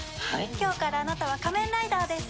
今日からあなたは仮面ライダーです。